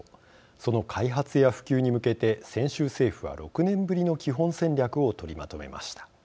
その開発や普及に向けて先週政府は６年ぶりの基本戦略を取りまとめました。